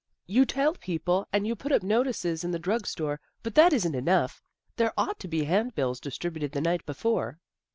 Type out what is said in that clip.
" You tell people, and you put up notices in the drug store, but that isn't enough. There ought to be hand bills distributed the night before."